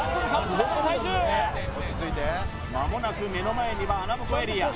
白鳥大珠まもなく目の前には穴ぼこエリア